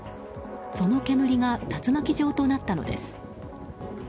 その煙が竜巻状となったのです。